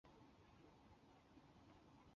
广太镇是下辖的一个乡镇级行政单位。